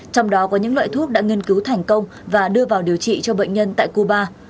trong đó có những loại thuốc đã nghiên cứu thành công và đưa vào điều trị cho bệnh nhân tại cuba